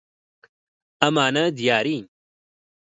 ئەمانە دیارین.